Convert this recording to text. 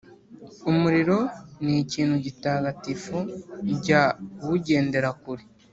Umurimo ni ikintu gitagatifu jya uwugendera kure.